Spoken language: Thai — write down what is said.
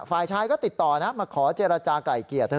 ฝ่ายชายก็ติดต่อนะมาขอเจรจากลายเกลียดเธอ